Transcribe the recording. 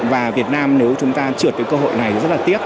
và việt nam nếu chúng ta trượt cái cơ hội này rất là tiếc